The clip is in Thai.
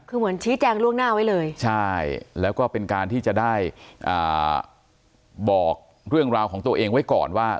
คือเหมือนชี้แจงล่วงหน้าไว้เลยใช่แล้วก็เป็นการที่จะได้บอกเรื่องราวของตัวเองไว้ก่อนว่า